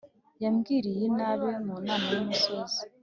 yambwiriye inabi mu nama y’umusozi